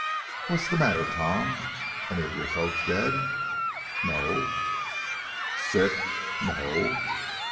"What's the matter, Tom; any of your folks dead?" "No." "Sick?" "No."